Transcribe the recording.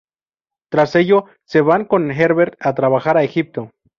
Tras ello se va con Herbert a trabajar a Egipto.